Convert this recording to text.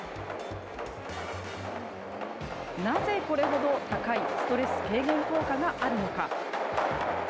なぜ、これ程高いストレス軽減効果があるのか。